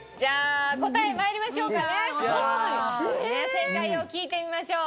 正解を聴いてみましょう。